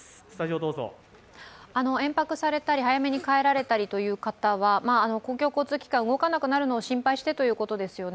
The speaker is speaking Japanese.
延泊されたり早めに帰られたりという方は公共交通機関が動かなくなるのを心配してということですよね？